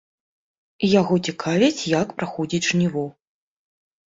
Яго цікавіць, як праходзіць жніво.